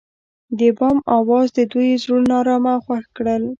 د بام اواز د دوی زړونه ارامه او خوښ کړل.